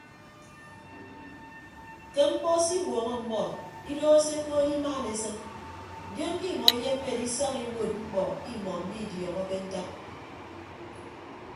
Ke mkpọ se iwuọñọ ọmmọ idooho se ekood imaan esịn ndion ke imọ iyemme edisaña iwuod mkpọ imọ mmidiọọñọke ntak.